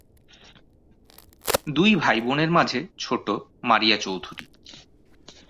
দুই ভাই-বোনের মাঝে ছোট মারিয়া চৌধুরী।